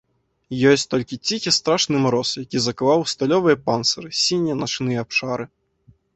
Ёсць толькі ціхі страшны мароз, які закаваў у сталёвыя панцыры сінія начныя абшары.